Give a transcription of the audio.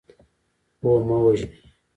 پوه مه وژنئ.